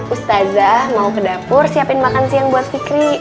ustazah mau ke dapur siapin makan siang buat fikri